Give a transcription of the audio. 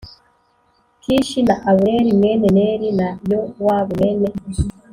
Kishi na abuneri mwene neri na yowabu mwene